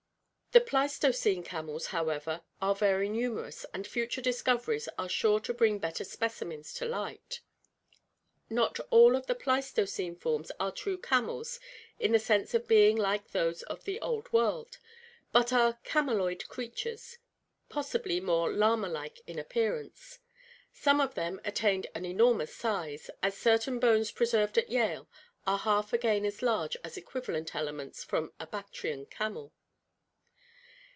The Pleistocene camels, however, are very numerous and future discov eries are sure to bring better specimens to light. Not all of the Pleistocene forms are true camels in the sense of being like those of the Old World, but are cameloid creatures, possibly more llama like in appearance. Some of them attained an enormous size, as certain bones preserved at Yale are half again as large as equivalent ele ments from a Bactrian camel.